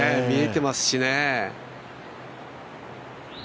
見えてますしね。